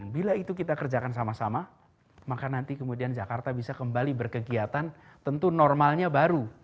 bila itu kita kerjakan sama sama maka nanti kemudian jakarta bisa kembali berkegiatan tentu normalnya baru